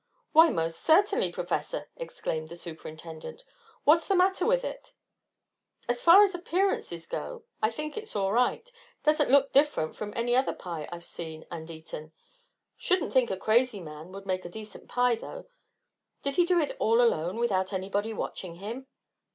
"Why, most certainly, Professor!" exclaimed the Superintendent. "What's the matter with it?" "As far as appearances go, I think it's all right doesn't look different from any other pie I've seen and eaten. Shouldn't think a crazy man could make a decent pie, though; did he do it all alone, without anybody watching him?"